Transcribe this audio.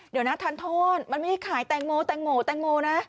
เดี๋ยวนะทานโทษมันไม่ได้ขายแตงโมแตงโมแตงโมนะ